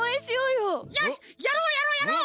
よしやろうやろうやろう！